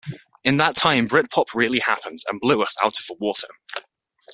In that time Britpop really happened and blew us out of the water.